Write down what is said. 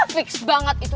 fiks banget itu